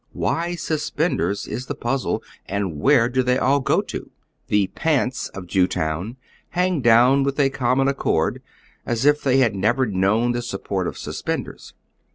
Why suspen ders, is the puzzle, and where do they all go to ? The " pants " of Jewtown hang down with a common accoi d, as if tliej had never known the support of suspenders.